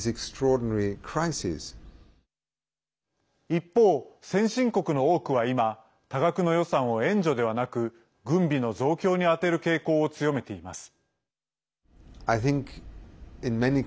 一方、先進国の多くは今多額の予算を援助ではなく軍備の増強に充てる傾向を強めています。